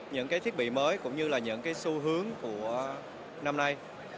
những thiết bị mới cũng như là những xu hướng của năm nay